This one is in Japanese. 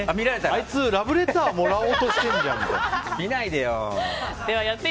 あいつラブレターもらおうとしてんじゃんって。